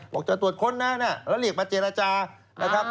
จะตรวจค้นนะแล้วเรียกมาเจรจานะครับ